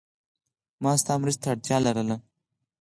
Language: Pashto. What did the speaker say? ما ستا مرستی ته اړتیا لرله.